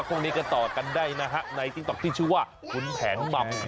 ผี่ไม่ใช่แมน